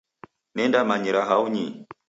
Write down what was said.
Nendamanyira hao nyii!